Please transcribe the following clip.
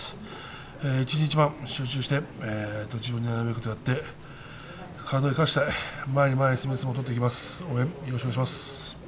一日一番、集中して自分のやるべきことをやって体を生かして、前に前に進む相撲を取っていきます。